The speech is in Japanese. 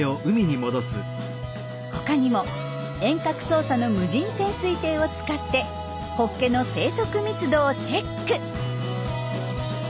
他にも遠隔操作の無人潜水艇を使ってホッケの生息密度をチェック。